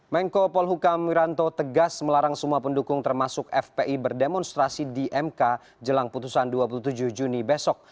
menko polhukam wiranto tegas melarang semua pendukung termasuk fpi berdemonstrasi di mk jelang putusan dua puluh tujuh juni besok